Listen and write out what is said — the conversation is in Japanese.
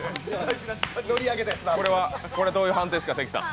これは、どういう判定ですか関さん。